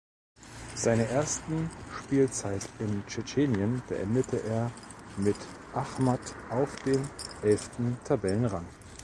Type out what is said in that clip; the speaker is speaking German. Seine ersten Spielzeit in Tschetschenien beendete er mit Achmat auf dem elften Tabellenrang.